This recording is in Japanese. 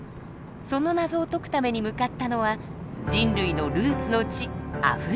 その謎を解くために向かったのは人類のルーツの地アフリカ。